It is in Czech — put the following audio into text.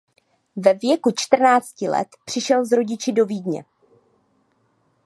Ve věku čtrnácti let přišel s rodiči do Vídně.